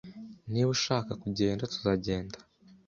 Niba ushaka kugenda, tuzagenda.